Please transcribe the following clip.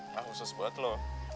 aku khusus buat lo